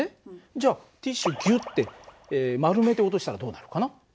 じゃあティッシュギュッて丸めて落としたらどうなるかな？